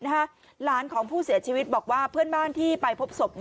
หลานของผู้เสียชีวิตบอกว่าเพื่อนบ้านที่ไปพบศพ